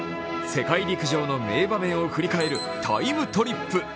世界陸上の名場面を振り返る「タイムトリップ」